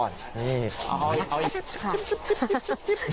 นี่